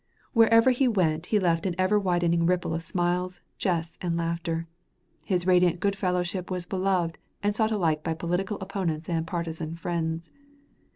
Wherever he went he left an ever widening ripple of smiles, jests, and laughter. His radiant good fellowship was beloved and sought alike by political opponents and partisan friends.